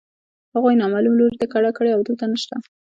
هغوی نامعلوم لوري ته کډه کړې او دلته نشته